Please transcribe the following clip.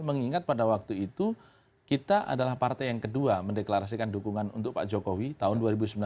mengingat pada waktu itu kita adalah partai yang kedua mendeklarasikan dukungan untuk pak jokowi tahun dua ribu sembilan belas